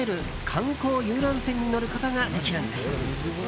観光遊覧船に乗ることができるんです。